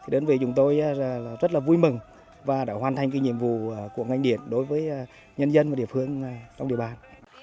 đơn vị chúng tôi rất là vui mừng và đã hoàn thành nhiệm vụ của ngành điện đối với nhân dân và địa phương trong địa bàn